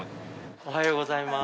おはようございます。